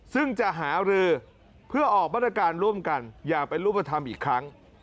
ซึ่งจะหารือเพื่อออกมาตรการร่วมกันอย่างเป็นรูปธรรมอีกครั้ง